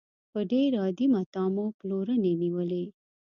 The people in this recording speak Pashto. په ډېر عادي متاع مو پلورنې نېولې.